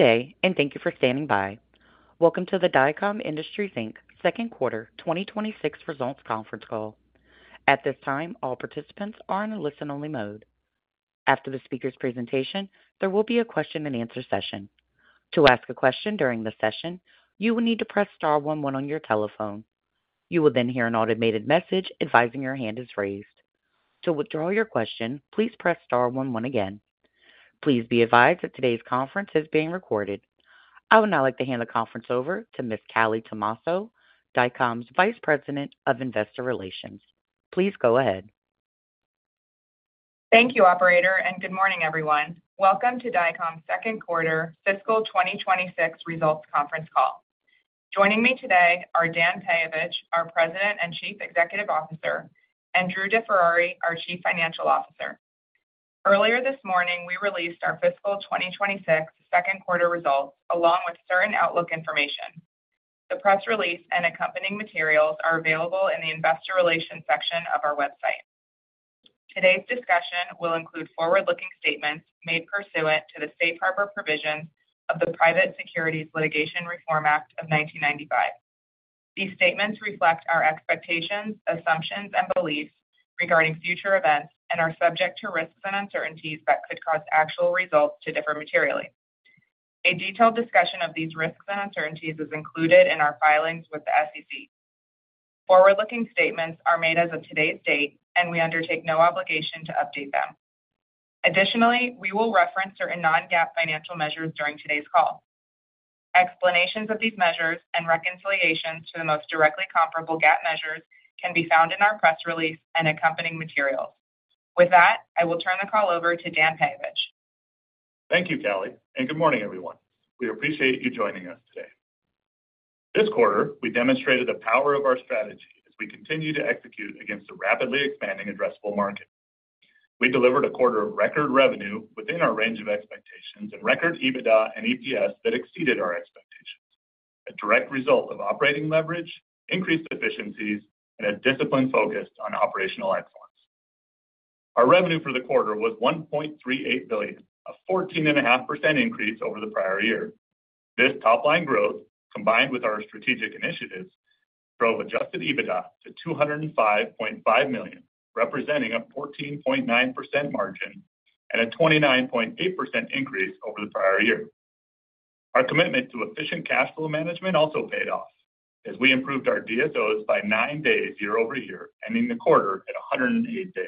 Good day and thank you for standing by. Welcome to the Dycom Industries, Inc Second Quarter 2026 Results Conference Call. At this time, all participants are in a listen-only mode. After the speaker's presentation, there will be a question and answer session. To ask a question during the session, you will need to press star one one on your telephone. You will then hear an automated message advising your hand is raised. To withdraw your question, please press star one one again. Please be advised that today's conference is being recorded. I would now like to hand the conference over to Ms. Callie Tomasso, Dycom's Vice President of Investor Relations. Please go ahead. Thank you, Operator, and good morning, everyone. Welcome to Dycoms' Second Quarter Fiscal 2026 Results Conference Call. Joining me today are Dan Peyovich, our President and Chief Executive Officer, and Drew DeFerrari, our Chief Financial Officer. Earlier this morning, we released our fiscal 2026 second quarter results along with certain outlook information. The press release and accompanying materials are available in the Investor Relations section of our website. Today's discussion will include forward-looking statements made pursuant to the safe harbor provision of the Private Securities Litigation Reform Act of 1995. These statements reflect our expectations, assumptions, and beliefs regarding future events and are subject to risks and uncertainties that could cause actual results to differ materially. A detailed discussion of these risks and uncertainties is included in our filings with the SEC. Forward-looking statements are made as of today's date and we undertake no obligation to update them. Additionally, we will reference certain non-GAAP financial measures during today's call. Explanations of these measures and reconciliations to the most directly comparable GAAP measures can be found in our press release and accompanying materials. With that, I will turn the call over to Dan Peyovich. Thank you, Callie, and good morning, everyone. We appreciate you joining us today. This quarter we demonstrated the power of our strategy as we continue to execute against the rapidly expanding addressable market. We delivered a quarter of record revenue within our range of expectations and record EBITDA and EPS that exceeded our expectations, a direct result of operating leverage, increased efficiencies, and a disciplined focus on operational excellence. Our revenue for the quarter was $1.38 billion, a 14.5% increase over the prior year. This top line growth combined with our strategic initiatives drove adjusted EBITDA to $205.5 million, representing a 14.9% margin and a 29.8% increase over the prior year. Our commitment to efficient cash flow management also paid off as we improved our DSOs by 9 days year-over-year, ending the quarter at 108 days.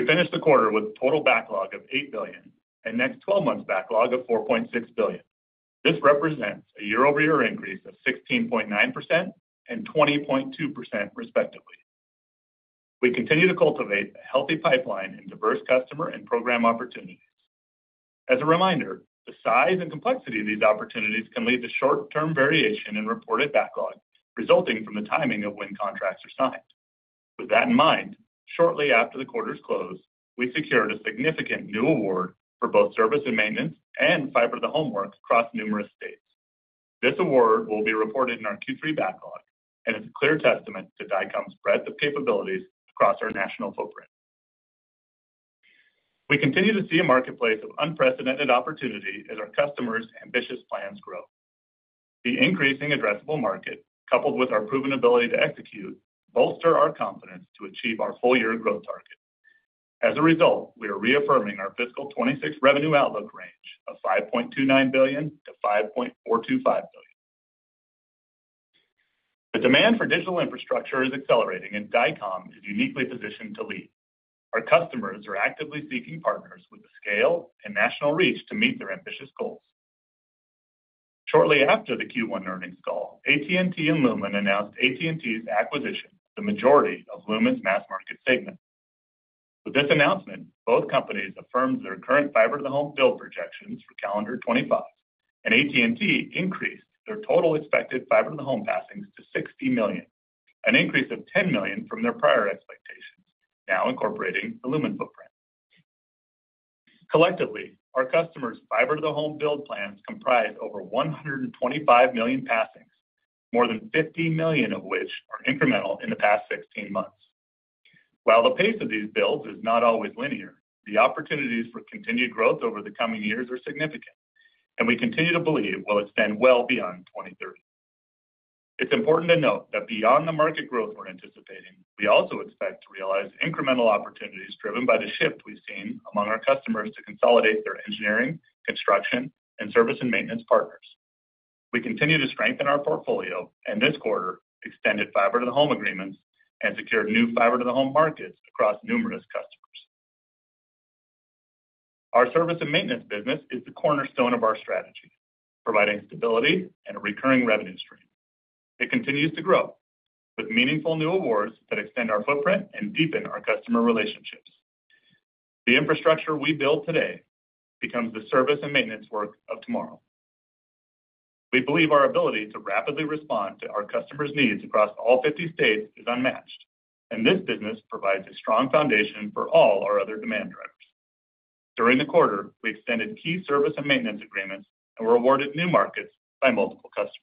We finished the quarter with total backlog of $8 billion and next 12 months backlog of $4.6 billion. This represents a year-over-year increase of 16.9% and 20.2%, respectively. We continue to cultivate a healthy pipeline and diverse customer and program opportunities. As a reminder, the size and complexity of these opportunities can lead to short term variation in reported backlog resulting from the timing of when contracts are signed. With that in mind, shortly after the quarter's close, we secured a significant new award for both servicing maintenance and fiber-to-the-home work across numerous states. This award will be reported in our Q3 backlog and is a clear testament to Dycom's breadth of capabilities across our national footprint. We continue to see a marketplace of unprecedented opportunity as our customers' ambitious plans grow. The increasing addressable market coupled with our proven ability to execute bolster our confidence to achieve our full year growth target. As a result, we are reaffirming our fiscal 2026 revenue outlook range of $5.29 billion to $5.425 billion. The demand for digital infrastructure is accelerating and Dycom is uniquely positioned to lead. Our customers are actively seeking partners with the scale and national reach to meet their ambitious goals. Shortly after the Q1 earnings call, AT&T and Lumen announced AT&T's acquisition of the majority of Lumen's mass market segment. With this announcement, both companies affirmed their current fiber-to-the-home build projections for calendar 2025, and AT&T increased their total expected fiber-to-the-home passings to 60 million, an increase of 10 million from their prior expectations, now incorporating the Lumen footprint. Collectively, our customers' fiber-to-the-home build plans comprise over 125 million passings, more than 50 million of which were incremental in the past 16 months. While the pace of these builds is not always linear, the opportunities for continued growth over the coming years are significant, and we continue to believe we'll extend well beyond 2030. It's important to note that beyond the market growth we're anticipating, we also expect to realize incremental opportunities driven by the shift we've seen among our customers to consolidate their engineering, construction, and service and maintenance partners. We continue to strengthen our portfolio, and this quarter extended fiber-to-the-home agreements and secured new fiber-to-the-home markets across numerous customers. Our service and maintenance business is the cornerstone of our strategy, providing stability and a recurring revenue stream. It continues to grow with meaningful new awards that extend our footprint and deepen our customer relationships. The infrastructure we build today becomes the service and maintenance work of tomorrow. We believe our ability to rapidly respond to our customers' needs across all 50 states is unmatched, and this business provides a strong foundation for all our other demand drivers. During the quarter, we extended key service and maintenance agreements and were awarded new markets by multiple customers.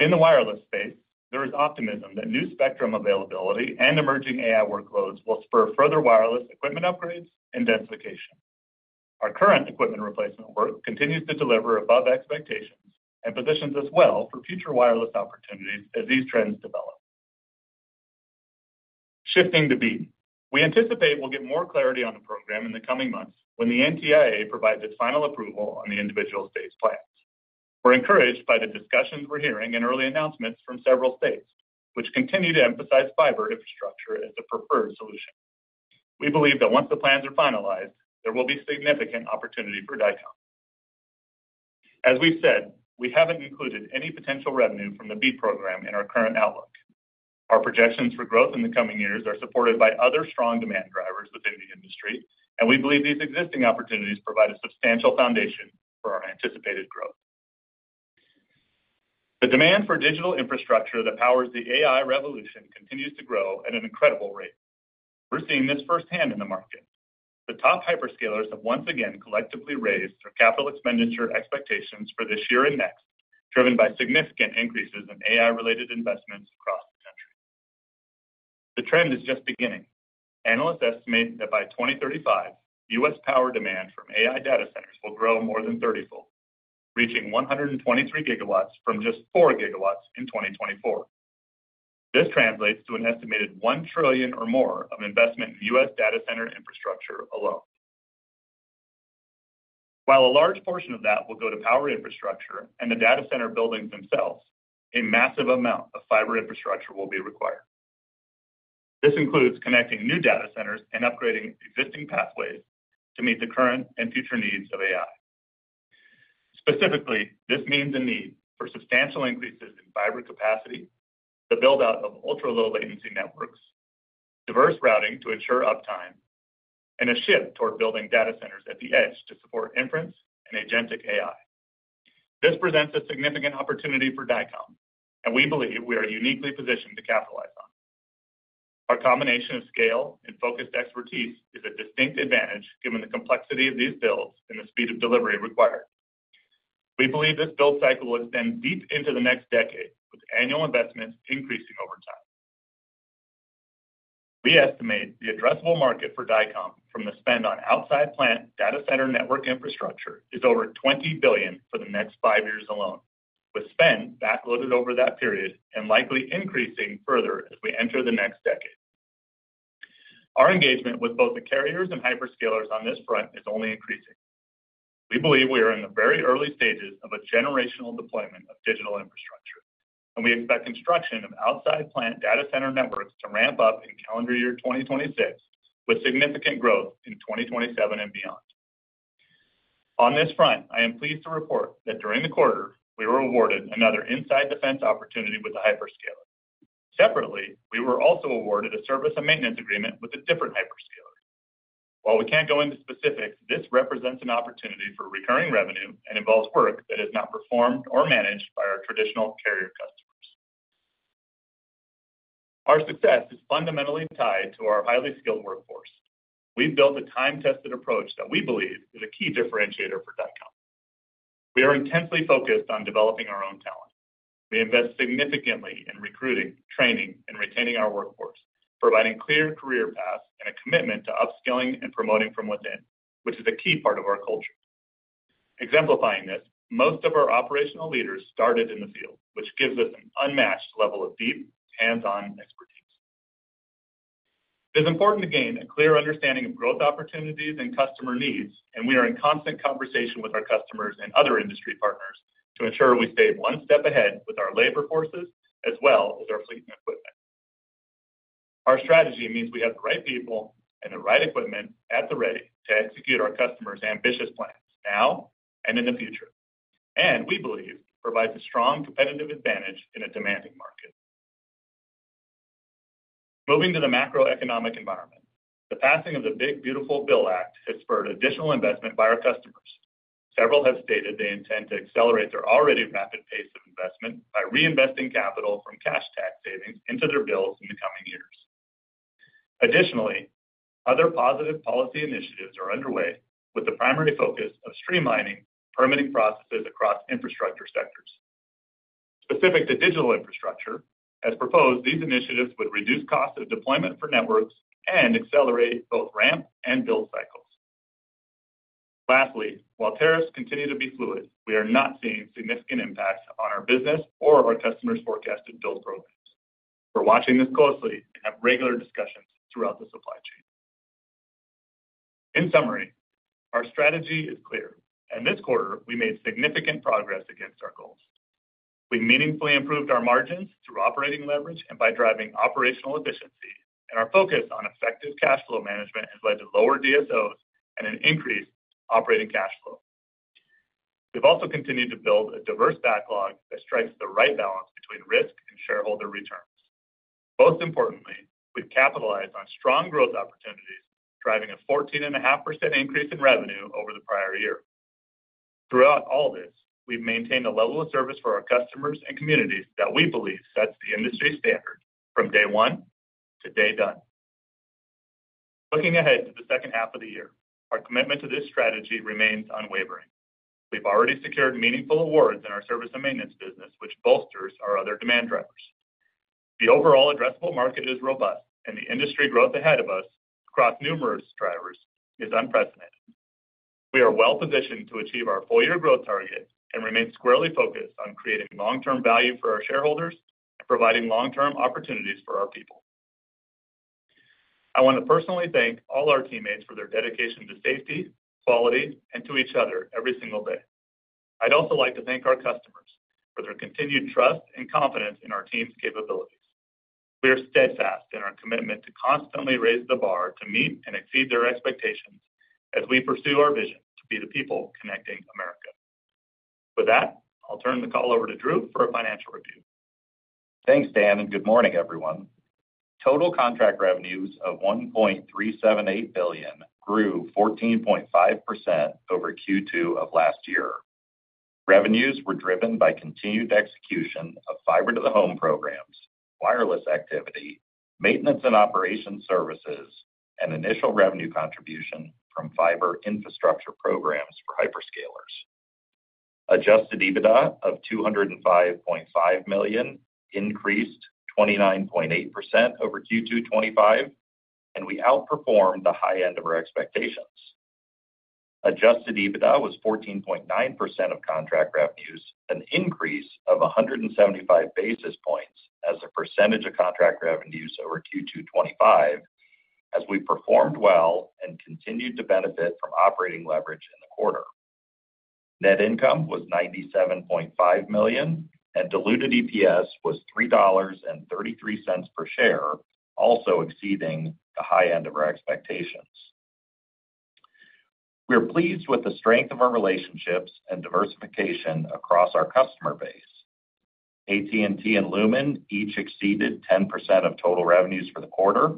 In the wireless space, there is optimism that new spectrum availability and emerging AI-driven demand will spur further wireless equipment upgrades and densification. Our current equipment replacement work continues to deliver above expectations and positions us well for future wireless opportunities as these trends develop. Shifting to BEAD, we anticipate we'll get more clarity on the program in the coming months when the NTIA provides its final approval on the individual state plans. We're encouraged by the discussions we're hearing and early announcements from several states, which continue to emphasize fiber infrastructure as the preferred solution. We believe that once the plans are finalized, there will be significant opportunity for Dycom. As we've said, we haven't included any potential revenue from the BEAD program in our current outlook. Our projections for growth in the coming years are supported by other strong demand drivers within the industry, and we believe these existing opportunities provide a substantial foundation for our anticipated growth. The demand for digital infrastructure that powers the AI revolution continues to grow at an incredible rate. We're seeing this firsthand in the market. The top hyperscalers have once again collectively raised their capital expenditure expectations for this year and next, driven by significant increases in AI-related investments across the country. The trend is just beginning. Analysts estimate that by 2035, U.S. power demand from AI data centers will grow more than 30-fold, reaching 123 GW from just 4 GW in 2024. This translates to an estimated $1 trillion or more of investment in U.S. data center infrastructure alone. While a large portion of that will go to power infrastructure and the data center buildings themselves, a massive amount of fiber infrastructure will be required. This includes connecting new data centers and upgrading existing pathways to meet the current and future needs of AI. Specifically, this means the need for substantial increases in fiber capacity, the build out of ultra-low latency networks, diverse routing to ensure uptime, and a shift toward building data centers at the edge to support inference and agentic AI. This presents a significant opportunity for Dycom, and we believe we are uniquely positioned to capitalize on it. Our combination of scale and focused expertise is a distinct advantage. Given the complexity of these builds and the speed of delivery required, we believe this build cycle would have been beat into the next decade, with annual investment increasing over time. We estimate the addressable market for Dycom from the spend on outside plant data center network infrastructure is over $20 billion for the next five years alone, with spend backloaded over that period and likely increasing. Further, as we enter the next decade, our engagement with both the carriers and hyperscalers on this front is only increasing. We believe we are in the very early stages of a generational deployment of digital infrastructure, and we expect construction of outside plant data center numbers to ramp up in calendar year 2026 with significant growth in 2027 and beyond. On this front, I am pleased to report that during the quarter we were awarded another inside defense opportunity with the hyperscaler. Separately, we were also awarded a service and maintenance agreement with a different hyperscaler. While we can't go into specifics, this represents an opportunity for recurring revenue and involves work that is not performed or managed by our traditional carrier customers. Our success is fundamentally tied to our highly skilled workforce. We build a time-tested approach that we believe is a key differentiator for Dycom. We are intensely focused on developing our own talent. We invest significantly in recruiting, training, and retaining our workforce, providing clear career paths and a commitment to upskilling and promoting from within, which is a key part of our culture. Exemplifying this, most of our operational leaders started in the field, which gives us an unmatched level of deep hands-on expertise. It is important to gain a clear understanding of growth opportunities and customer needs, and we are in constant conversation with our customers and other industry partners to ensure we stay one step ahead with our labor forces as well as our fleet and equipment. Our strategy means we have great people and the right equipment at the ready to execute our customers' ambitious plan now and in the future, and we believe provides a strong competitive advantage in a demanding market. Moving to the macroeconomic environment, the passing of the Big Beautiful Bill Act has spurred additional investment by our customers. Several have stated they intend to accelerate their already rapid pace of investment by reinvesting capital from cash tax savings into their builds in the coming years. Additionally, other positive policy initiatives are underway with the primary focus of streamlining permitting processes across infrastructure sectors specific to digital infrastructure. As proposed, these initiatives would reduce cost of deployment for networks and accelerate both ramp and build cycles. Lastly, while tariffs continue to be fluid, we are not seeing significant impacts on our business or our customers. We are forecasted to build growth, watching this closely, and have regular discussions throughout the supply chain. In summary, our strategy is clear and this quarter we made significant progress against our goals. We meaningfully improved our margins through operating leverage and by driving operational efficiency, and our focus on effective cash flow management has led to lower DSOs and an increased operating cash flow. We've also continued to build a diverse backlog that strikes the right balance, risk, and shareholder returns. Most importantly, we've capitalized on strong growth opportunities, driving a 14.5% increase in revenue over the prior year. Throughout all this, we've maintained a level of service for our customers and communities that we believe sets the industry standard from day one to day done. Looking ahead to the second half of the year, our commitment to this strategy remains unwavering. We've already secured meaningful awards in our service and maintenance business, which bolsters our other demand drivers. The overall addressable market is robust, and the industry growth ahead of us across numerous drivers is unprecedented. We are well positioned to achieve our full year growth target and remain squarely focused on creating long term value for our shareholders, providing long term opportunities for our people. I want to personally thank all our teammates for their dedication to safety, quality, and to each other every single day. I'd also like to thank our customers for their continued trust and confidence in our team's capabilities. We are steadfast in our commitment to constantly raise the bar to meet and exceed their expectations as we pursue our vision to be the people connecting America. With that, I'll turn the call over to Drew for a financial review. Thanks Dan and good morning everyone. Total contract revenues of $1.378 billion grew 14.5% over Q2 of last year. Revenues were driven by continued execution of fiber-to-the-home programs, wireless activity, maintenance and operations services, and initial revenue contribution from fiber infrastructure programs for hyperscalers. Adjusted EBITDA of $205.5 million increased 29.8% over Q2 2025, and we outperformed the high end of our expectations. Adjusted EBITDA was 14.9% of contract revenues, an increase of 175 basis points as a percentage of contract revenues over Q2 2025 as we performed well and continued to benefit from operating leverage in the quarter. Net income was $97.5 million and diluted EPS was $3.33 per share, also exceeding the high end of our expectations. We are pleased with the strength of our relationships and diversification across our customer base. AT&T and Lumen each exceeded 10% of total revenues for the quarter.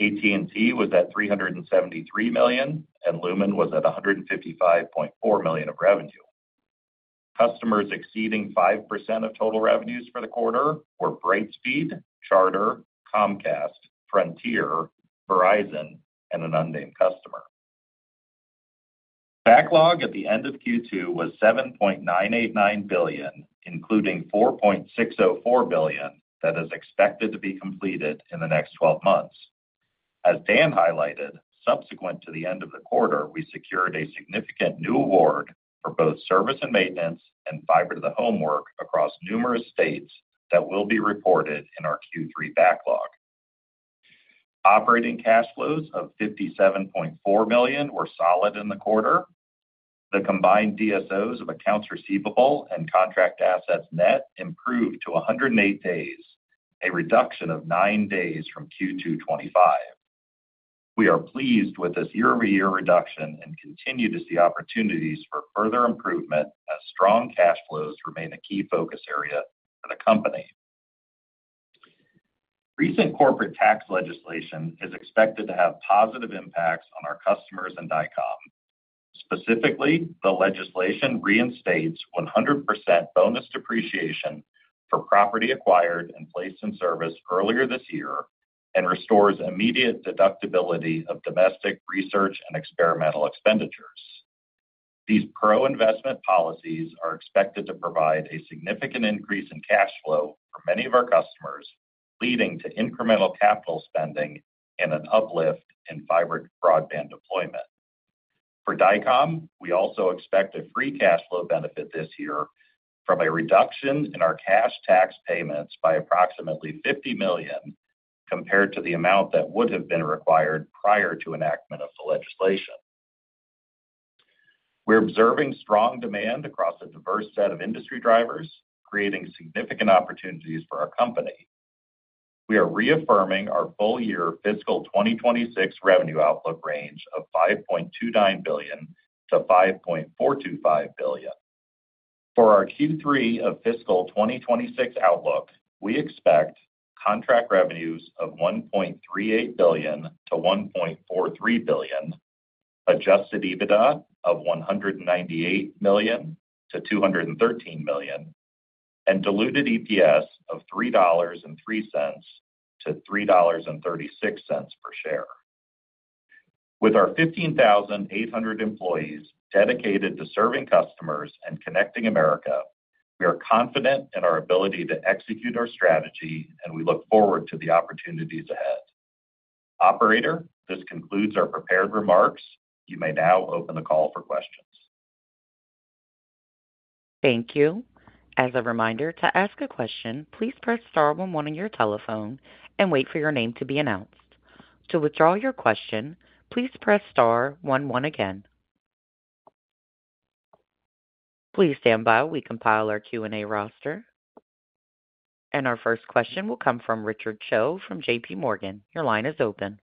AT&T was at $373 million and Lumen was at $155.4 million of revenue. Customers exceeding 5% of total revenues for the quarter were Brightspeed, Charter, Comcast, Frontier, Verizon, and an unnamed customer. Backlog at the end of Q2 was $7.989 billion, including $4.604 billion that is expected to be completed in the next 12 months. As Dan highlighted, subsequent to the end of the quarter, we secured a significant new award for both service and maintenance and fiber-to-the-home work across numerous states that will be reported in our Q3 backlog. Operating cash flows of $57.4 million were solid in the quarter. The combined DSOs of accounts receivable and contract assets, net, improved to 108 days, a reduction of 9 days from Q2 2025. We are pleased with this year-over-year reduction and continue to see opportunities for further improvement as strong cash flows remain a key focus area for the company. Recent corporate tax legislation is expected to have positive impacts on our customers and Dycom. Specifically, the legislation reinstates 100% bonus depreciation for property acquired and placed in service earlier this year and restores immediate deductibility of domestic research and experimental expenditures. These pro-investment policies are expected to provide a significant increase in cash flow for many of our customers, leading to incremental capital spending and an uplift in fiber broadband deployment for Dycom. We also expect a free cash flow benefit this year from a reduction in our cash tax payments by approximately $50 million compared to the amount that would have been required prior to enactment of the legislation. We're observing strong demand across a diverse set of industry drivers, creating significant opportunities for our company. We are reaffirming our full-year fiscal 2026 revenue outlook range of $5.29 billion-$5.425 billion. For our Q3 of fiscal 2026 outlook, we expect contract revenues of $1.38 billion-$1.43 billion, adjusted EBITDA of $198 million-$213 million, and diluted EPS of $3.03 to $3.36 per share. With our 15,800 employees dedicated to serving customers and connecting America, we are confident in our ability to execute our strategy and we look forward to the opportunities ahead. Operator, this concludes our prepared remarks. You may now open the call for questions. Thank you. As a reminder, to ask a question, please press star one one on your telephone and wait for your name to be announced. To withdraw your question, please press star one one again. Please stand by while we compile our Q&A roster. Our first question will come from Richard Cho from JPMorgan. Your line is open.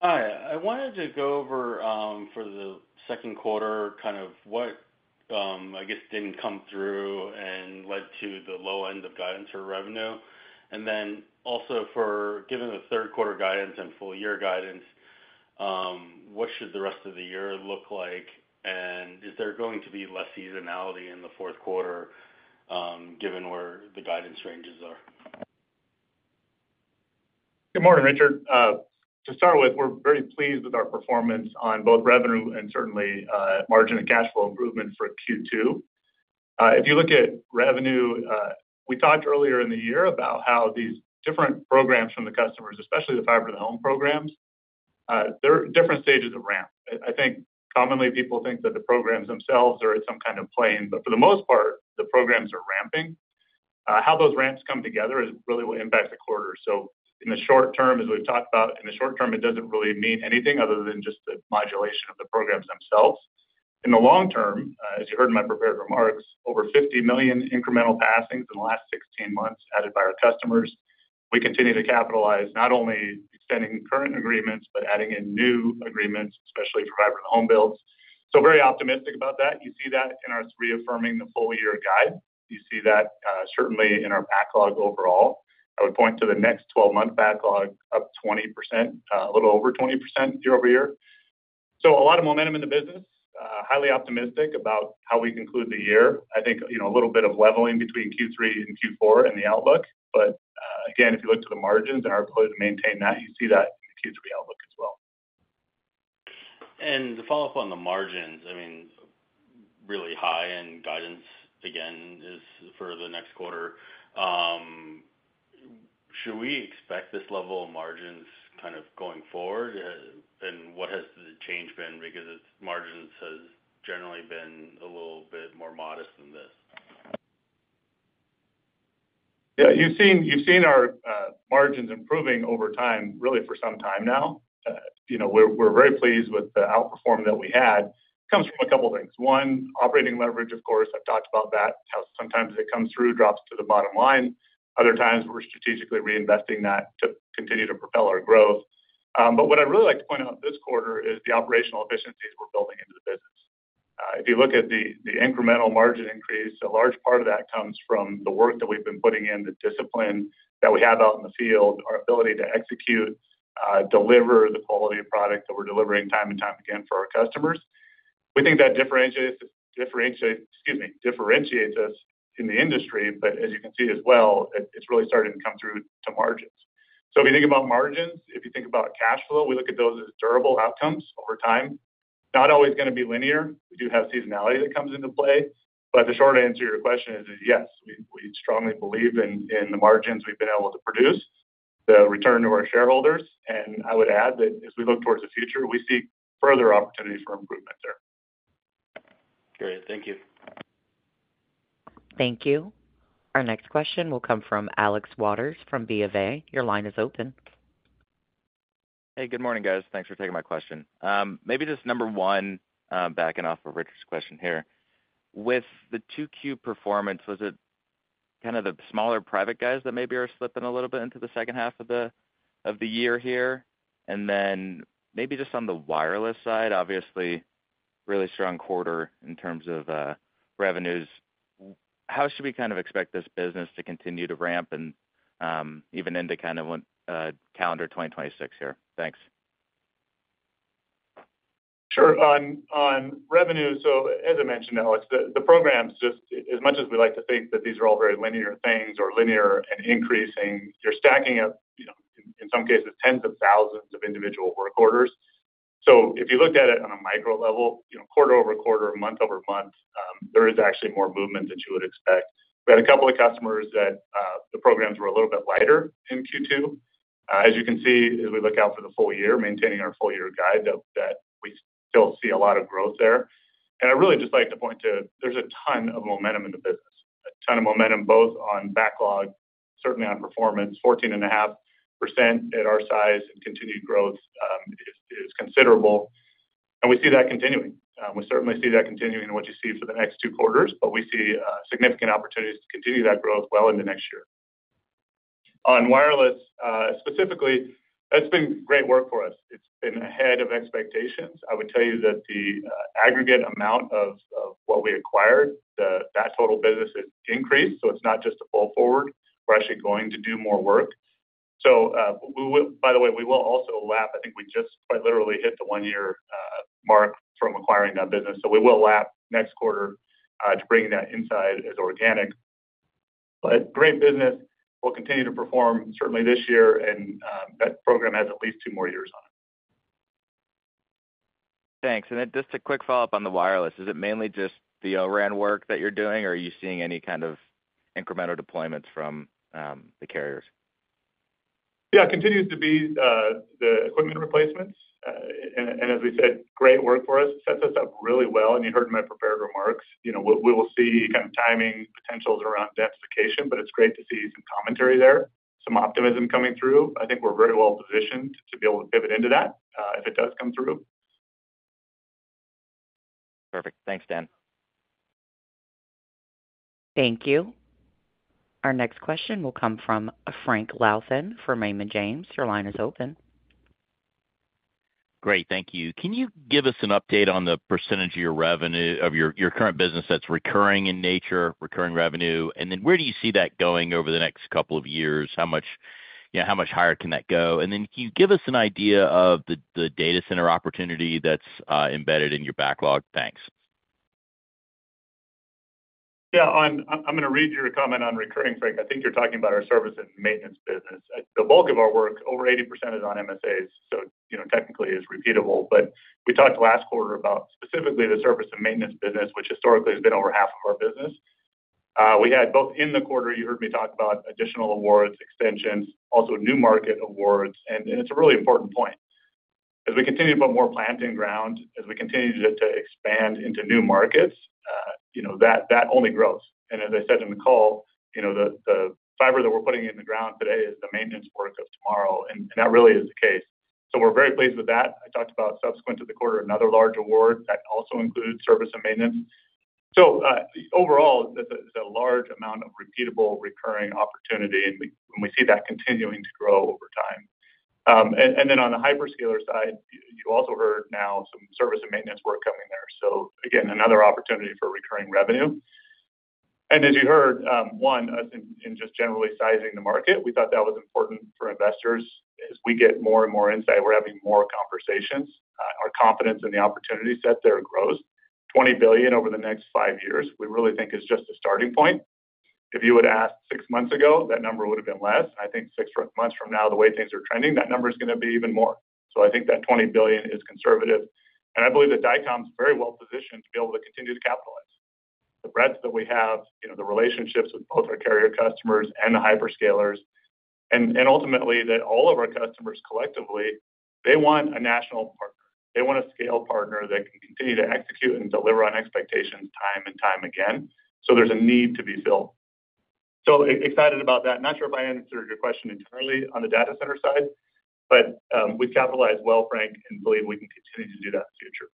Hi, I wanted to go over for the second quarter kind of what I guess didn't come through and led to the low end of guidance for revenue. Also, for given the third quarter guidance and full year guidance, what should the rest of the year look like? Is there going to be less seasonality in the fourth quarter given where the guidance ranges are? Good morning, Richard. To start with, we're very pleased with our performance on both revenue and certainly margin of cash flow improvement for Q2. If you look at revenue, we talked earlier in the year about how these different programs from the customers, especially the fiber-to-the-home programs, they're different stages of ramp. I think commonly people think that the programs themselves are at some kind of plane, but for the most part the programs are ramping. How those ramps come together really will impact the quarter. In the short term, as we've talked about, it doesn't really mean anything other than just the modulation of the programs themselves. In the long term, as you heard my prepared remarks, over 50 million incremental passings in the last six months added by our customers, we continue to capitalize, not only extending current agreements, but adding in new agreements especially for fiber-to-the-home builds. Very optimistic about that. You see that in our reaffirming the full year guide. You see that certainly in our backlog. Overall, I would point to the next 12-month backlog up 20%, a little over 20% year-over-year. A lot of momentum in the business. Highly optimistic about how we conclude the year. I think a little bit of leveling between Q3 and Q4 and the outlook. If you look to the margins and our ability to maintain that, you see that Q3 outlook as well. To follow up on the margins, I mean, really high in guidance again for the next quarter. Should we expect this level of margins kind of going forward, and what has the change been? Because margins have generally been a little bit more modest than this. You've seen our margins improving over time, really for some time now. We're very pleased with the outperform that we had, comes from a couple things. One, operating leverage. Of course, I've talked about that, how sometimes it comes through, drops to the bottom line. Other times we're strategically reinvesting that to continue to propel our growth. What I'd really like to point out this quarter is the operational efficiencies we're building into the business. If you look at the incremental margin increase, a large part of that comes from the work that we've been putting in, the discipline that we have out in the field, our ability to execute, deliver the quality of product that we're delivering time and time again for our customers. We think that differentiates us in the industry. As you can see as well, it's really starting to come through to margins. If you think about margins, if you think about cash flow, we look at those as durable outcomes over time, not always going to be linear. We do have seasonality that comes into play. The short answer to your question is yes, we strongly believe in the margins we've been able to produce, the return of our shareholders. I would add that as we look towards the future, we see further opportunities for improvement there. Great, thank you. Thank you. Our next question will come from Alex Waters from BofA. Your line is open. Hey, good morning, guys. Thanks for taking my question. Maybe just number one, backing off of Richard's question here. With the 2Q performance, was it kind of the smaller private guys that maybe are slipping a little bit into the second half of the year here. On the wireless side, obviously really strong quarter in terms of revenues. How should we kind of expect this business to continue to ramp and even into kind of calendar 2026 here? Thanks. Sure. On revenue. As I mentioned, Alex, the programs, just as much as we like to think that these are all very linear things or linear and increasing, you're stacking up in some cases tens of thousands of individual work orders. If you looked at it on a micro level, quarter-over-quarter, month-over-month, there is actually more movement than you would expect. We had a couple of customers that the programs were a little bit lighter in Q2. As you can see as we look out for the full year, maintaining our full year guide, we still see a lot of growth there. I really just like to point to there's a ton of momentum in the business, a ton of momentum both on backlog, certainly on performance, 14.5% at our size and continued growth is considerable. We see that continuing. We certainly see that continuing what you see for the next two quarters. We see significant opportunities to continue that growth well into next year. On wireless specifically, it's been great work for us. It's been ahead of expectations. I would tell you that the aggregate amount of what we acquired, that total business has increased. It's not just a pull forward. We're actually going to do more work. By the way, we will also lap, I think we just quite literally hit the one year mark from acquiring that business. We will lap next quarter to bringing that inside as organic. Great business will continue to perform certainly this year. That program has at least two more years on it. Thanks. Just a quick follow up on the wireless. Is it mainly just the O-RAN work that you're doing, or are you seeing any kind of incremental deployments from the carriers? Yeah, continues to be the equipment replacements. As we said, great work for us, sets us up really well. You heard my prepared remarks. You know, we will see kind of timing potentials around densification, but it's great to see some commentary there, some optimism coming through. I think we're very well positioned to be able to pivot into that if it does come through. Perfect. Thanks, Dan. Thank you. Our next question will come from Frank Louthan from Raymond James. Your line is open. Great, thank you. Can you give us an update on the percentage of your revenue of your current business that's recurring in nature? Recurring revenue? Where do you see that going over the next couple of years? How much higher can that go? Can you give us an idea of the data center opportunity that's embedded in your backlog? Thanks. Yeah, I'm going to read your comment on recurring, Frank. I think you're talking about our service and maintenance business. The bulk of our work, over 80%, is on MSAs. So, you know, technically it's repeatable. We talked last quarter about specifically the service and maintenance business, which historically has been over half of our business. We had both in the quarter. You heard me talk about additional awards, extensions, also new market awards. It's a really important point as we continue to put more plant in ground, as we continue to expand into new markets, you know that that only grows and as I said in the call, you know, the fiber that we're putting in the ground today is the maintenance work of tomorrow. That really is the case. We're very pleased with that. I talked about subsequent to the quarter another large award that also includes service and maintenance. Overall, this is a large amount of repeatable recurring opportunity and we see that continuing to grow over time. On the hyperscaler side, you also heard now some service and maintenance work coming there. Again, another opportunity for recurring revenue. As you heard, one in just generally sizing the market, we thought that was important for investors. As we get more and more insight, we're having more conversations. Our confidence in the opportunity set there grows. $20 billion over the next five years, we really think is just a starting point. If you would ask six months ago, that number would have been less. I think six months from now, the way things are trending, that number is going to be even more. I think that $20 billion is conservative, and I believe that Dycom is very well positioned to be able to continue to capitalize the breadth that we have, the relationships with both our carrier customers and the hyperscalers, and ultimately that all of our customers collectively, they want a national partner, they want a scale partner that can continue to execute and deliver on expectations time and time again. There's a need to be filled. Excited about that. Not sure if I answered your question entirely on the data center side, but we capitalized well, Frank, and believe we can continue to do that future.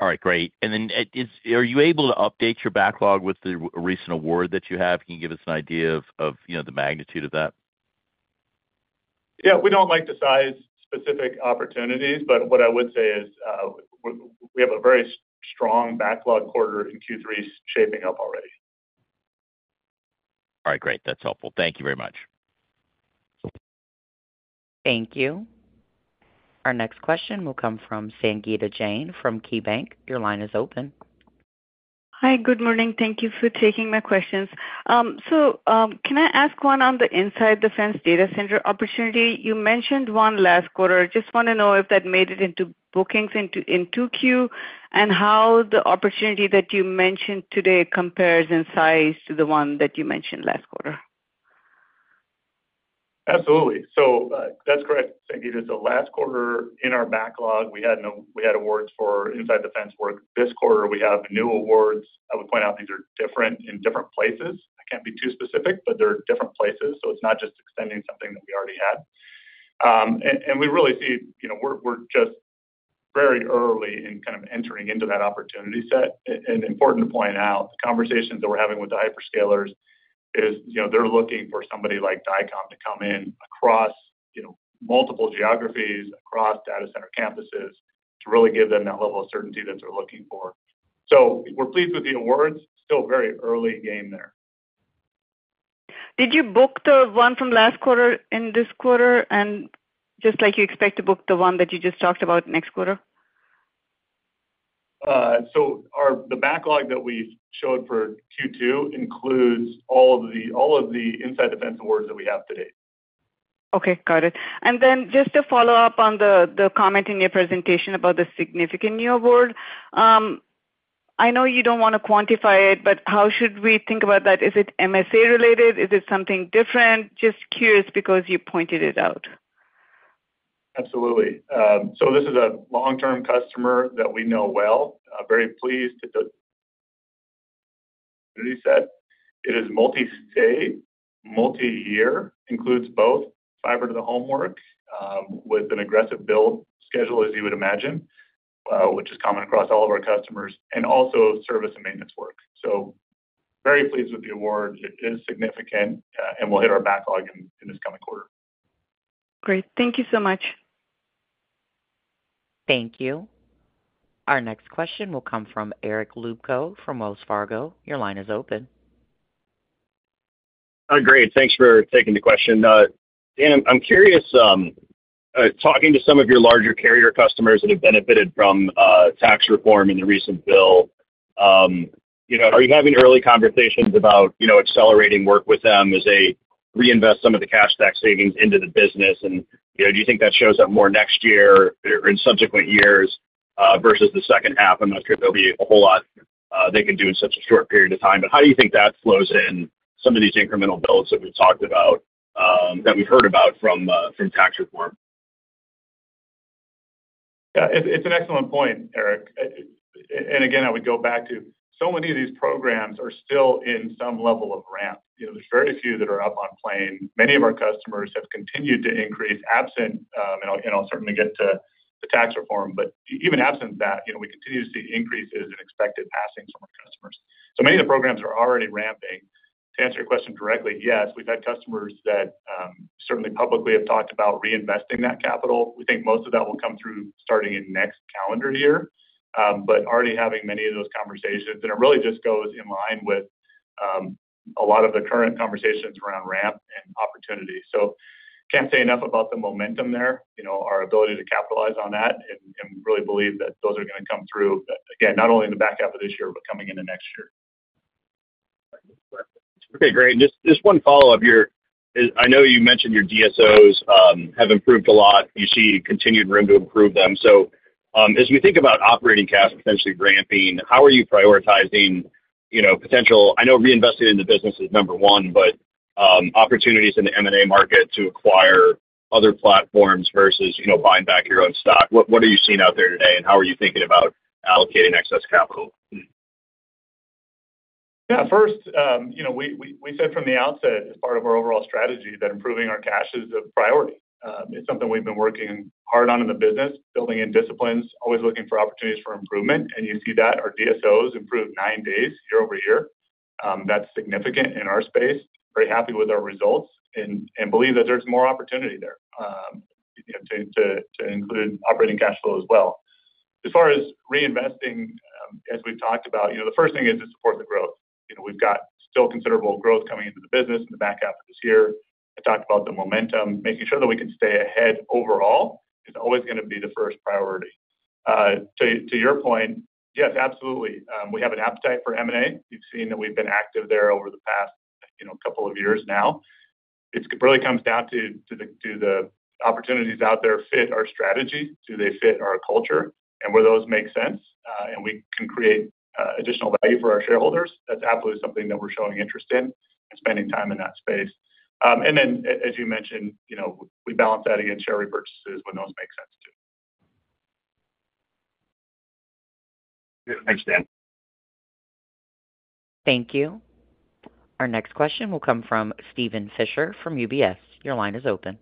All right, great. Are you able to update your backlog with the recent award that you have? Can you give us an idea of the magnitude of that? Yeah, we don't like to size specific opportunities, but what I would say is we have a very strong backlog quarter in Q3 shaping up already. All right, great. That's helpful. Thank you very much. Thank you. Our next question will come from Sangita Jain from KeyBank. Your line is open. Hi, good morning. Thank you for taking my questions. Can I ask one on the inside defense data center opportunity? You mentioned one last quarter. I just want to know if that made it into bookings into Q, and how the opportunity that you mentioned today compares in size to the one that you mentioned last quarter. Absolutely. That's correct. Thank you. In the last quarter in our backlog we had awards for inside defense work. This quarter we have new awards. I would point out things are different in different places. I can't be too specific, but they're different places. It's not just extending something that we already had. We really see we're just very early in kind of entering into that opportunity set. It's important to point out conversations that we're having with the hyperscalers. They're looking for somebody like Dycom to come in across multiple geographies, across data center campuses, to really give them that level of certainty that they're looking for. We're pleased with the awards. Still very early game there. Did you book the one from last quarter in this quarter? Just like you expect to book the one that you just talked about next quarter. The backlog that we showed for Q2 includes all of the inside Defense awards that we have today. Okay, got it. Just to follow up on the comment in your presentation about the significant new award, I know you don't want to quantify it. How should we think about that? Is it MSA related? Is it something different? Just curious, because you pointed it out. Absolutely. This is a long-term customer that we know well. Very pleased. As you said, it is multi-state, multi-year, includes both fiber-to-the-home work with an aggressive build schedule, as you would imagine, which is common across all of our customers, and also service and maintenance work. Very pleased with the award. It is significant and will hit our backlog in this coming quarter. Great. Thank you so much. Thank you. Our next question will come from Eric Luebchow from Wells Fargo. Your line is open. Great.Thanks for taking the question, Dan. I'm curious, talking to some of your larger carrier customers that have benefited from tax reform in the recent bill, are you having early conversations about accelerating work with them as they reinvest some of the cash, that savings into the business, and do you think that shows up more next year or in subsequent years versus the second half? I'm not sure there'll be a whole lot they can do in such a. Short period of time. How do you think that flows in some of these incremental bills? We've talked about that we've heard about from tax reform? It's an excellent point, Eric. I would go back to so many of these programs are still in some level of ramp. There are very few that are up on plane. Many of our customers have continued to increase, absent, and I'll certainly get to the tax reform. Even absent that, we continue to see increases in expected passing customers. Many of the programs are already ramping. To answer your question directly, yes, we've had customers that certainly publicly have talked about reinvesting that capital. We think most of that will come through starting next calendar year. Already having many of those conversations, and it really just goes in line with a lot of the current conversations around ramp and opportunity. I can't say enough about the momentum there. Our ability to capitalize on that is, and really believe that those are going to come through again not only in the back half of this year, but coming into next year. Okay, great. Just one follow up. I know you mentioned your DSOs have improved a lot. You see continued room to improve them. As we think about operating cash potentially ramping, how are you prioritizing potential? I know reinvesting in the business is number one, but opportunities in the M&A market to acquire other platforms versus buying back your own stock? What are you seeing out there today. How are you thinking about allocating excess capital? Yeah. First, we said from the outset as part of our overall strategy that improving our cash is a priority. It's something we've been working hard on in the business, building in disciplines, always looking for opportunities for improvement. You see that our DSOs improved 9 days year-over-year. That's significant in our space. Very happy with our results and believe that there's more opportunity there, including operating cash flow as well. As far as reinvesting, as we've talked about, the first thing is to support the growth. We've got still considerable growth coming into the business in the back half of this year. I talked about the momentum. Making sure that we can stay ahead overall is always going to be the first priority. To your point, yes, absolutely, we have an appetite for M&A. You've seen that we've been active there over the past couple of years. Now it really comes down to do the opportunities out there fit our strategy, do they fit our culture, and where those make sense and we can create additional value for our shareholders. That's absolutely something that we're showing interest in and spending time in that space. As you mentioned, we balance that against share repurchases when those make sense too. Thanks, Dan. Thank you. Our next question will come from Steven Fisher from UBS. Your line is open.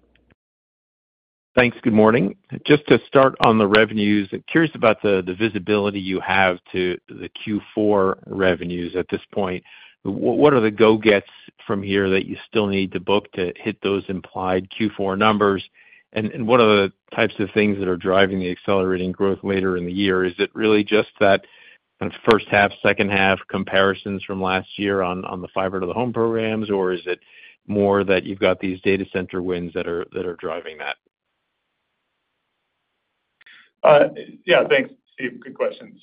Thanks. Good morning. Just to start on the revenues, curious about the visibility you have to the Q4 revenues at this point. What are the go gets from here that you still need to book to hit those implied Q4 numbers? What are the types of things that are driving the accelerating growth later in the year? Is it really just that kind of first half, second half comparisons from last year on the fiber-to-the-home programs, or is it more that you've got these data center wins that are driving that? Yeah, thanks, Steven. Good question.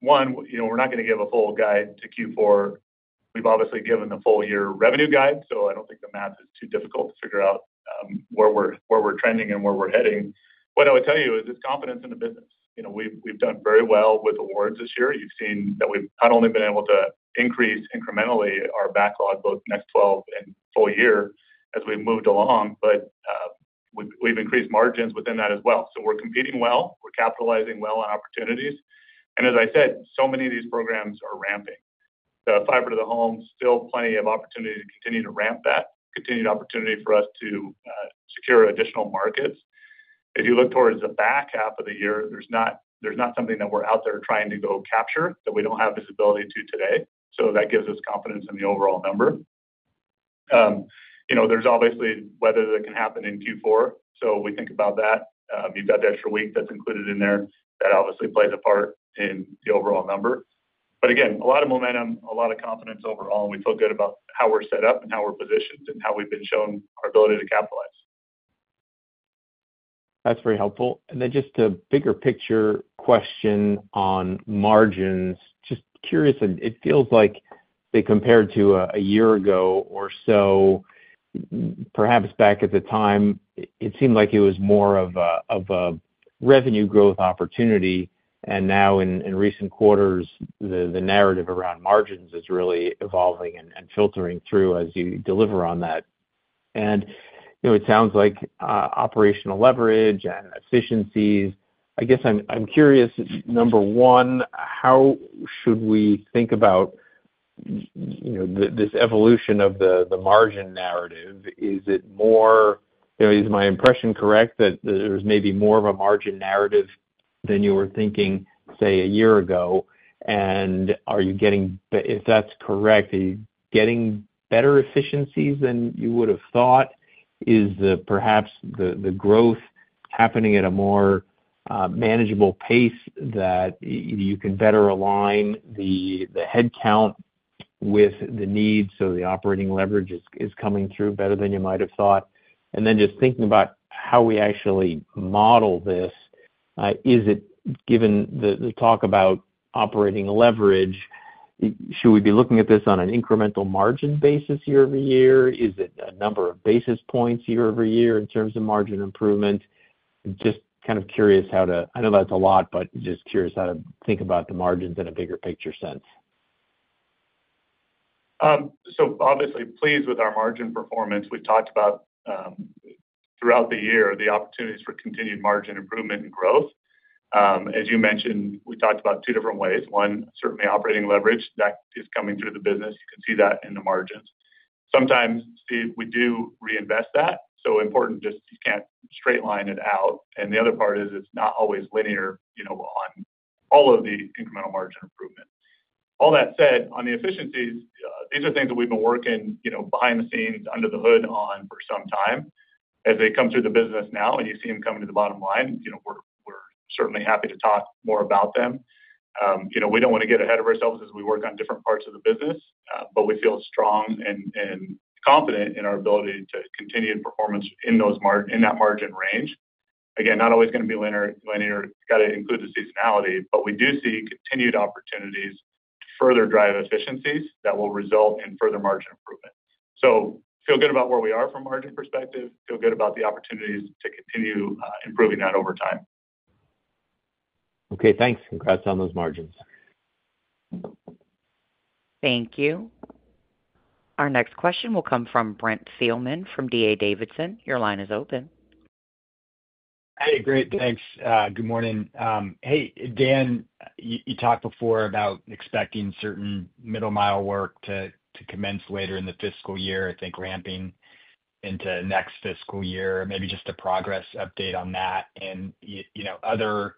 One, you know, we're not going to give a full guide to Q4. We've obviously given the full year revenue guide. I don't think the math is too difficult to figure out where we're trending and where we're heading. What I would tell you is it's confidence in the business. You know, we've done very well with awards this year. You've seen that we've not only been able to increase incrementally our backlog, both next 12 and full year as we moved along, but we've increased margins within that as well. We're competing well, we're capitalizing well on opportunities, and as I said, so many of these programs are ramping the fiber-to-the-home. Still plenty of opportunity to continue to ramp that, continued opportunity for us to secure additional markets. If you look towards the back half of the year, there's not something that we're out there trying to go capture that we don't have visibility to today. That gives us confidence in the overall number. You know, there's obviously weather that can happen in Q4, so we think about that. You've got the extra week that's included in there that obviously plays a part in the overall number. Again, a lot of momentum, a lot of confidence overall. We feel good about how we're set up and how we're positioned and how we've been shown ability to capitalize. That's very helpful. Just a bigger picture question on margins. It feels like compared to a year ago or so, perhaps back at the time it seemed like it was more of a revenue growth opportunity. In recent quarters, the narrative around margins is really evolving and filtering through as you deliver on that. It sounds like operational leverage and efficiencies. I'm curious, number one, how should we think about this evolution of the margin narrative? Is it more, is my impression correct that there's maybe more of a margin narrative than you were thinking, say, a year ago? If that's correct, are you getting better efficiencies than you would have thought? Is perhaps the growth happening at a more manageable pace that you can better align the headcount with the needs so the operating leverage is coming through better than you might have thought? Thinking about how we actually model this, given the talk about operating leverage, should we be looking at this on an incremental margin? Basis year-over-year? Is it a number of basis points year over year in terms of margin improvement? Just kind of curious how to. I know that's a lot, just curious how to think about the margins in a bigger picture sense. Obviously pleased with our margin performance. We talked about throughout the year the opportunities for continued margin improvement and growth. As you mentioned, we talked about two different ways. One, certainly operating leverage that is coming through the business, you can see that in the margins. Sometimes, Steve, we do reinvest that. It is important. Just cannot straight line it out. The other part is it is not always linear on all of the incremental margin improvement. All that said, on the efficiencies, these are things that we have been working behind the scenes under the hood on for some time as they come through the business now and you see them coming to the bottom line. We are certainly happy to talk more about them. We do not want to get ahead of ourselves as we work on different parts of the business, but we feel strong and confident in our ability to continue performance in that margin range. Again, not always going to be linear. Linear, got to include the seasonality. We do see continued opportunities to further drive efficiencies that will result in further margin improvement. Feel good about where we are from a margin perspective. Feel good about the opportunities to continue improving that over time. Okay, thanks. Congrats on those margins. Thank you. Our next question will come from Brent Thielman from D.A. Davidson. Your line is open. Great, thanks. Good morning. Hey Dan, you talked before about expecting certain middle mile work to commence later in the fiscal year, I think ramping into next fiscal year. Maybe just a progress update on that and other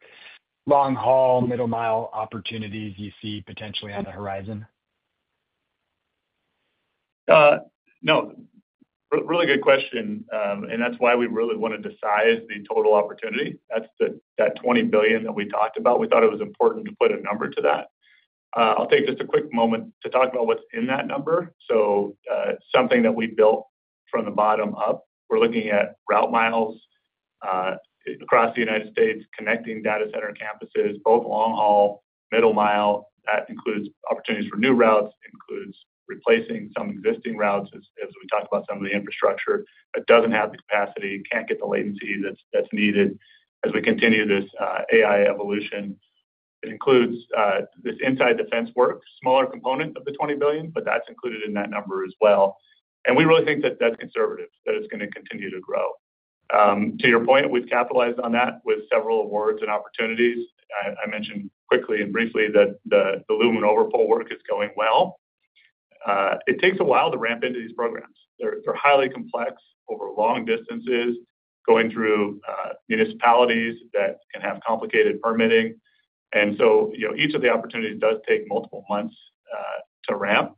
long haul middle mile opportunities you see potentially on the horizon? Really good question. That's why we really wanted to size the total opportunity. That's that $20 billion that we talked about. We thought it was important to put a number to that. I'll take just a quick moment to talk about what's in that number. Something that we built from the bottom up. We're looking at route miles across the United States, connecting data center campuses, both long haul middle mile that includes opportunities for new routes, includes replacing some existing routes. As we talked about, some of the infrastructure that doesn't have the capacity, can't get the latency that's needed. As we continue this AI evolution. It includes this inside defense work, smaller component of the $20 billion, but that's included in that number as well. We really think that that's conservative, that it's going to continue to grow. To your point, we've capitalized on that with several awards and opportunities. I mentioned quickly and briefly that the Lumen overpull work is going well. It takes a while to ramp into these programs. They're highly complex over long distances, going through municipalities that can have complicated permitting. Each of the opportunities does take multiple months to ramp.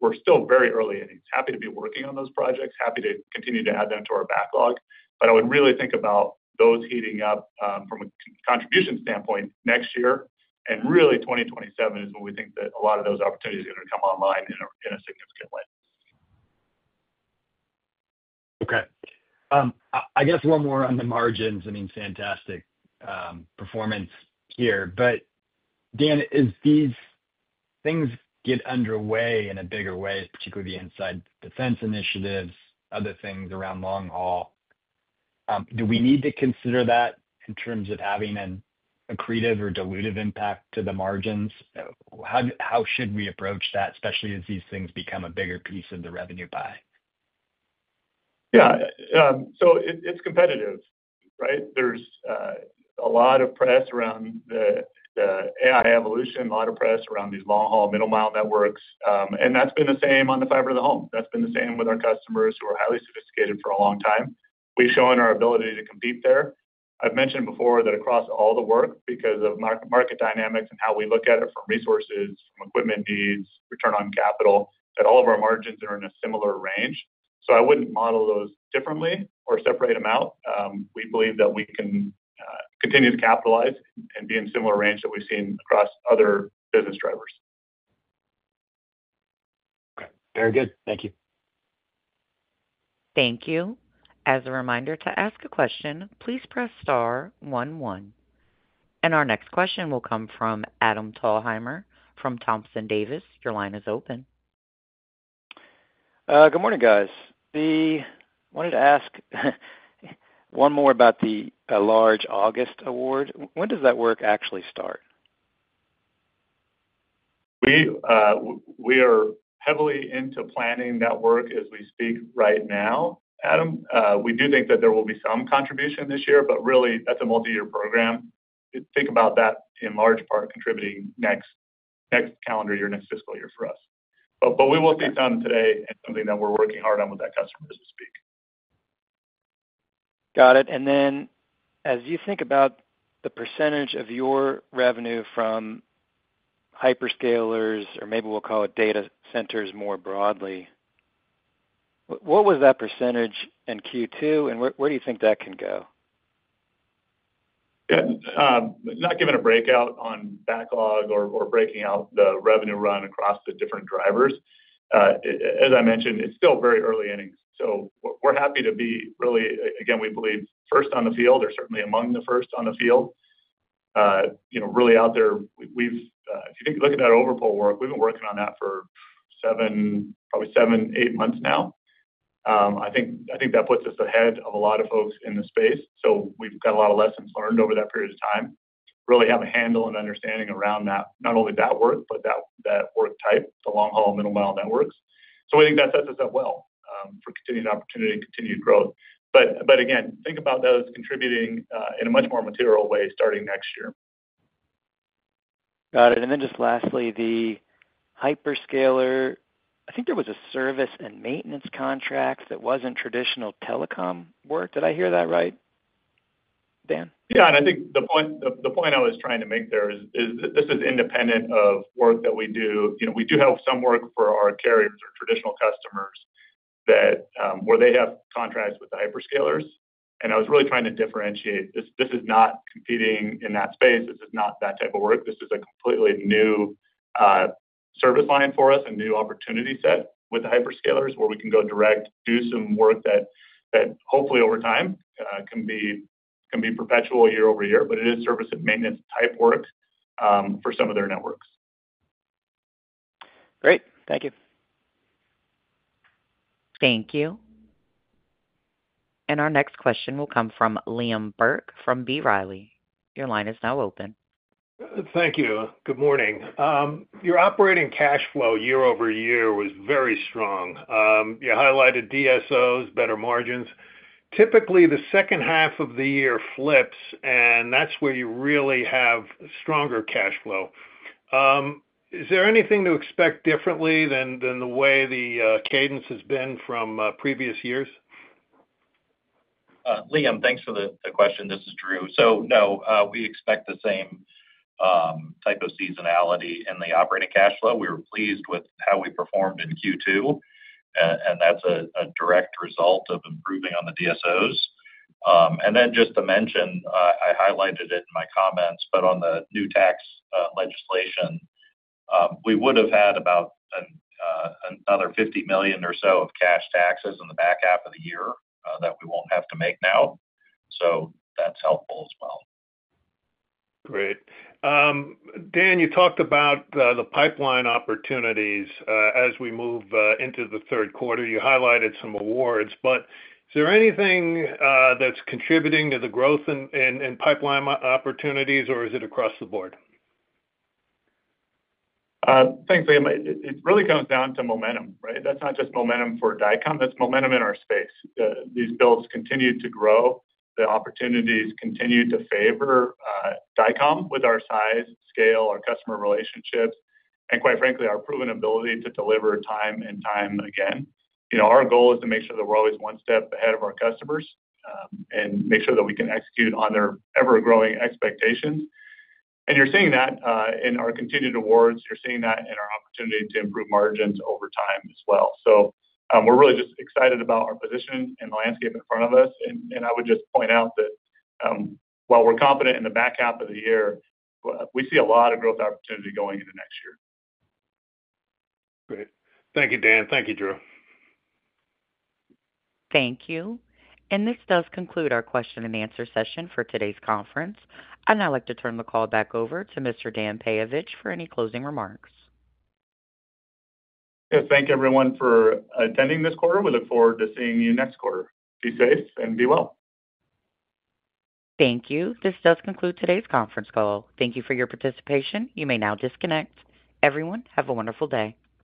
We're still very early. Happy to be working on those projects, happy to continue to add them to our backlog. I would really think about those heating up from a contribution standpoint next year. Really, 2027 is when we think that a lot of those opportunities are going to come online in a significant. Okay, I guess one more on the margins. I mean fantastic performance here. Dan, as these things get underway in a bigger way, particularly the inside, defense initiatives, other things around long haul. Do we need to consider that in terms of having an accretive or dilutive impact to the margins? How should we approach that especially as these things become a bigger piece of the revenue pie? Yeah, it's competitive. There's a lot of press around the AI-driven demand evolution, a lot of press around these long haul middle mile networks, and that's been the same on the fiber-to-the-home. That's been the same with our customers who are highly sophisticated for a long time. We've shown our ability to compete there. I've mentioned before that across all the work, because of market dynamics and how we look at it from resources, equipment needs, return on capital, all of our margins are in a similar range. I wouldn't model those differently or separate them out. We believe that we can continue to capitalize and be in a similar range that we've seen across other business drivers. Okay, very good. Thank you. Thank you. As a reminder, to ask a question, please press star one one. Our next question will come from Adam Thalhimer from Thompson Davis. Your line is open. Good morning, guys. Wanted to ask one more about the large August award. When does that work actually start? We are heavily into planning that work as we speak right now. Adam, we do think that there will be some contribution this year, but really that's a multi-year program. Think about that in large part contributing next calendar year, next fiscal year for us. We will see some today, something that we're working hard on with that customer as we speak. Got it. As you think about the percentage of your revenue from hyperscalers, or maybe we'll call it data centers more broadly. What was that percentage in Q2 and where do you think that can go? Not giving a breakout on backlog or breaking out the revenue run across the different drivers. As I mentioned, it's still very early inning. We're happy to be really, again, we believe, first on the field or certainly among the first on the field. Really out there. We've looked at that overpull work. We've been working on that for seven, probably seven, eight months now. I think that puts us ahead of a lot of folks in the space. We've got a lot of lessons learned over that period of time. Really have a handle and understanding around not only that work, but that work type, the long haul, middle mile networks. We think that sets us up well for continued opportunity, continued growth. Think about those contributing in a much more material way starting next year. Got it. Lastly, the hyperscaler. I think there was a service and maintenance contract that wasn't traditional telecom work. Did I hear that right, Dan? Yeah. I think the point I was trying to make there is this is independent of work that we do. You know, we do have some work for our carriers or traditional customers where they have contracts with the hyperscalers. I was really trying to differentiate this. This is not competing in that space. This is not that type of work. This is a completely new service line for us, a new opportunity set with the hyperscalers where we can go direct, do some work that hopefully over time can be perpetual year-over-year. It is service and maintenance type work for some of their networks. Great. Thank you. Thank you. Our next question will come from Liam Burke from B. Riley. Your line is now open. Thank you. Good morning. Your operating cash flow year over year was very strong. You highlighted DSOs, better margins. Typically the second half of the year flips and that's where you really have stronger cash flow. Is there anything to expect differently than the way the cadence has been from previous years? Liam, thanks for the question. This is Drew. No, we expect the same type of seasonality in the operating cash flow. We were pleased with how we performed in Q2, and that's a direct result of improving on the DSOs. I highlighted it in my comments, but on the new tax legislation, we would have had about another $50 million or so of cash taxes in the back half of the year that we won't have to make now. That's helpful as well. Great. Dan, you talked about the pipeline opportunities as we move into the third quarter. You highlighted some awards. Is there anything that's contributing to the growth and pipeline opportunities or is it across the board? Thanks, Liam. It really comes down to momentum, right? That's not just momentum for Dycom, that's momentum in our space. These builds continue to grow, the opportunities continue to favor Dycom with our size, scale, our customer relationships, and quite frankly our proven ability to deliver time and time again. Our goal is to make sure that we're always one step ahead of our customers and make sure that we can execute on their ever-growing expectations. You're seeing that in our continued awards. You're seeing that in our opportunity to improve margins over time as well. We're really just excited about our position and landscape in front of us. I would just point out that while we're confident in the back half of the year, we see a lot of growth opportunity going into next year. Great. Thank you, Dan. Thank you, Drew. Thank you. This does conclude our question and answer session for today's conference. I'd now like to turn the call back over to Mr. Dan Peyovich for any closing remarks. Thank everyone for attending this quarter. We look forward to seeing you next quarter. Be safe and be well. Thank you. This does conclude today's conference call. Thank you for your participation. You may now disconnect, everyone. Have a wonderful day.